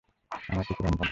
আমার কুকুর অন্ধ না!